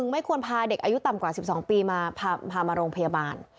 ไม่ควรพาเด็กอายุต่ำกว่า๑๒ปีมาพามาโรงพยาบาล